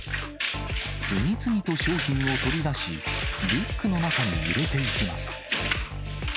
次々と商品を取り出し、リュックの中に入れていきます。